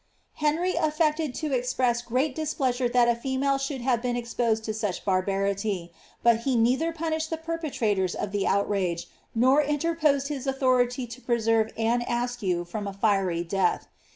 Henry affected to express great displeasure that a female should have been exposed to such barbarity, but he neither punished the perpetrators o( the outrage, nor interposed his authority to preserve Anne Askew from a fiery death.